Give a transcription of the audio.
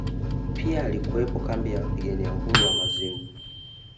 Pia ilikuwepo kambi ya wapigania uhuru ya Mazimbu